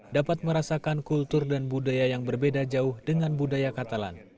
dapat merasakan kultur dan budaya yang berbeda jauh dengan budaya katalan